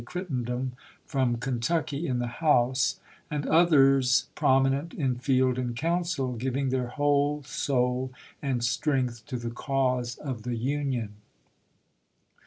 Crittenden from Kentucky, in the House, and others prominent in field and council, giving their whole soul and strength to the cause of the Union.